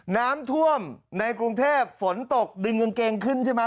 น้ำท่วมในกรุงเทพฝนตกดึงกางเกงขึ้นใช่ไหม